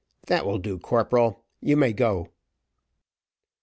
That will do, corporal; you may go."